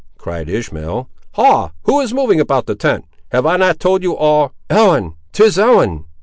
cried Ishmael; "ha! who is moving about the tent? have I not told you all—" "Ellen! 'tis Ellen!"